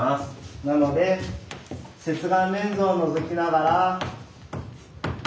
なので接眼レンズをのぞきながら。